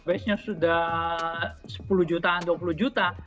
biasanya sudah sepuluh jutaan dua puluh jutaan